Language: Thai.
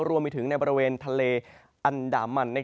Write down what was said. รวมไปถึงในบริเวณทะเลอันดามัน